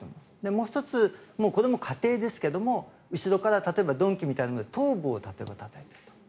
もう１つ、これも仮定ですが後ろから、例えば鈍器みたいなもので頭部をたたいたと。